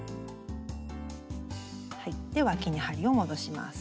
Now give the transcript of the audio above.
でわきに針を戻します。